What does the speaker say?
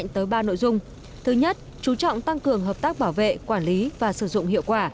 thứ nhất chú trọng tăng cường hợp tác bảo vệ quản lý và sử dụng hiệu quả